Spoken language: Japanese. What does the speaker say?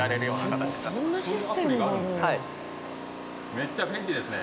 めっちゃ便利ですね。